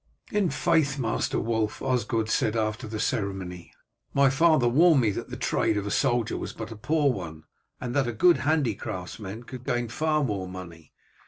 "In faith, Master Wulf," Osgod said after the ceremony, "my father warned me that the trade of a soldier was but a poor one, and that a good handicraftsman could gain far more money.